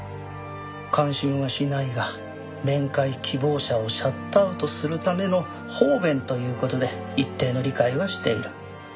感心はしないが面会希望者をシャットアウトするための方便という事で一定の理解はしている。